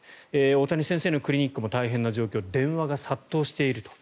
大谷先生のクリニックも大変な状況電話が殺到していると。